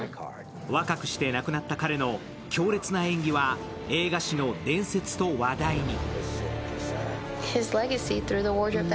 若くして亡くなった彼の強烈な演技は映画史の伝説と話題に。